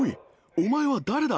お前は誰だ。